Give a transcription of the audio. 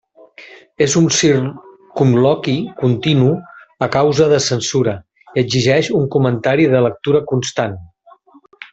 És un circumloqui continu a causa de censura i exigeix un comentari de lectura constant.